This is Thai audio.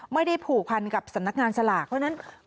ไม่ได้ผูกพันกับสำนักงานสลากเพราะฉะนั้น